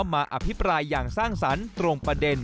มาอภิปรายอย่างสร้างสรรค์ตรงประเด็น